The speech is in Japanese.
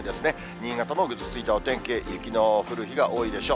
新潟もぐずついたお天気、雪の降る日が多いでしょう。